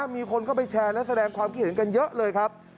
มีคนเข้าไปแชร์และแสดงความคิดเห็นกันเยอะเลยครับ